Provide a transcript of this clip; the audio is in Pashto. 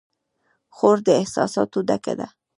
خور د احساساتو ډکه ده.